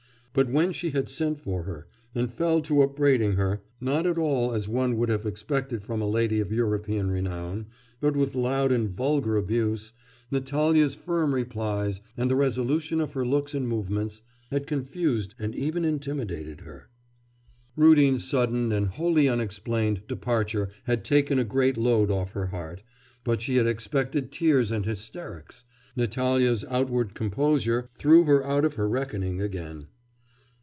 But when she had sent for her, and fell to upbraiding her not at all as one would have expected from a lady of European renown, but with loud and vulgar abuse Natalya's firm replies, and the resolution of her looks and movements, had confused and even intimidated her. Rudin's sudden, and wholly unexplained, departure had taken a great load off her heart, but she had expected tears, and hysterics.... Natalya's outward composure threw her out of her reckoning again.